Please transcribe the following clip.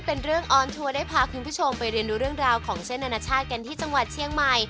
เป็นเรื่องออนทัวร์ได้พาคุณผู้ชมไปเรียนดูเรื่องราวของเส้นอนาชาติกันที่จังหวัดเชียงใหม่